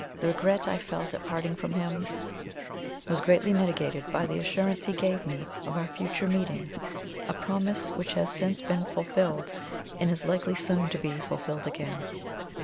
The regret I felt at parting from him was greatly mitigated by the assurance he gave me of our future meeting, a promise which has since been fulfilled, and is likely soon to be fulfilled again.